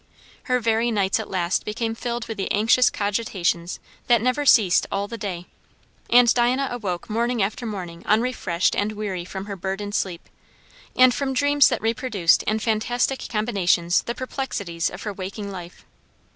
Her very nights at last became filled with the anxious cogitations that never ceased all the day; and Diana awoke morning after morning unrefreshed and weary from her burdened sleep, and from dreams that reproduced in fantastic combinations the perplexities of her waking life.